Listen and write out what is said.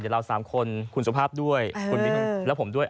เดี๋ยวเรา๓คนคุณสุภาพด้วยคุณมิ้นและผมด้วย